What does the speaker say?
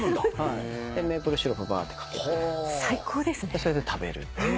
それで食べるっていう。